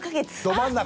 ど真ん中！